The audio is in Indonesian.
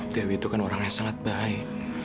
twi itu kan orang yang sangat baik